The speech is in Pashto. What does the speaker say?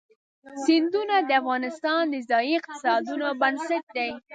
سیندونه د افغانستان د ځایي اقتصادونو بنسټ دی.